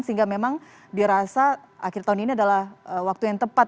sehingga memang dirasa akhir tahun ini adalah waktu yang tepat